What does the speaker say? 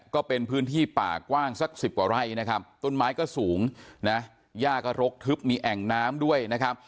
ก็เป็นพื้นที่ป่ากว้างสักสิบกว่าไร่นะครับต้นไม้ก็สูงนะย่าก็รกทึบมีแอ่งน้ำด้วยนะครับ